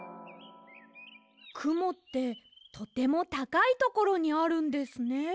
くもってとてもたかいところにあるんですねえ。